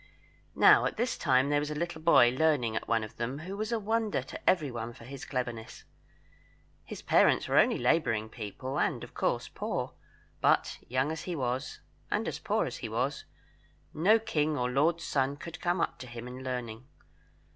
Now, at this time there was a little boy learning at one of them who was a wonder to everyone for his cleverness. His parents were only labouring people, and of course poor; but young as he was, and as poor as he was, no king's or lord's son could come up to him in learning.